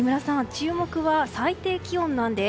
注目は最低気温なんです。